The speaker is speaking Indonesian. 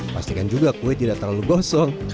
pastikan juga kue tidak terlalu gosong